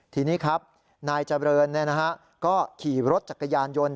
ทีนี้ครับนายเจริญก็ขี่รถจักรยานยนต์